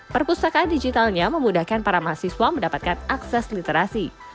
perpustakaan digitalnya memudahkan para mahasiswa mendapatkan akses literasi